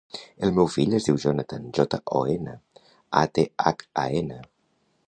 El meu fill es diu Jonathan: jota, o, ena, a, te, hac, a, ena.